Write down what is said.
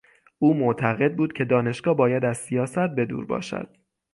او معتقد بود که دانشگاه باید از سیاست به دور باشد.